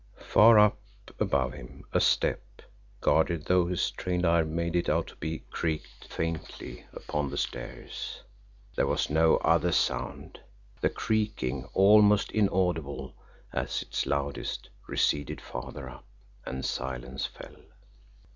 Far up above him a step, guarded though his trained ear made it out to be, creaked faintly upon the stairs there was no other sound. The creaking, almost inaudible at its loudest, receded farther up and silence fell.